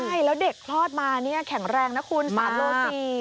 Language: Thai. ใช่แล้วเด็กคลอดมาเนี่ยแข็งแรงนะคุณ๓โล๔